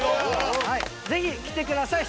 ぜひ来てください。